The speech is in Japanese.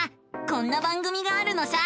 こんな番組があるのさ！